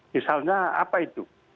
misalnya apa itu